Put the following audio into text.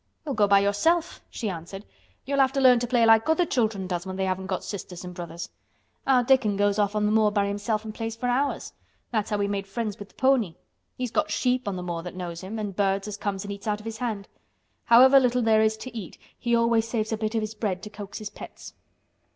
"You'll go by yourself," she answered. "You'll have to learn to play like other children does when they haven't got sisters and brothers. Our Dickon goes off on th' moor by himself an' plays for hours. That's how he made friends with th' pony. He's got sheep on th' moor that knows him, an' birds as comes an' eats out of his hand. However little there is to eat, he always saves a bit o' his bread to coax his pets."